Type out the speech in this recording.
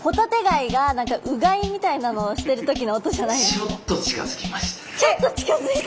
ちょっと近づきました。